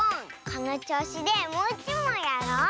このちょうしでもういちもんやろう！